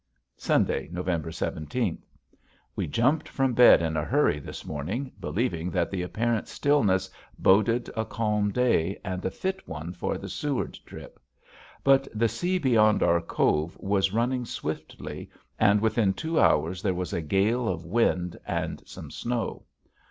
Sunday, November seventeenth. We jumped from bed in a hurry this morning believing that the apparent stillness boded a calm day and a fit one for the Seward trip. But the sea beyond our cove was running swiftly and within two hours there was a gale of wind and some snow.